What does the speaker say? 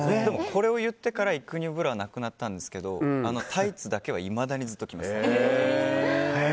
これを言ってから育乳ブラはなくなったんですけどタイツだけはいまだにずっと来ます。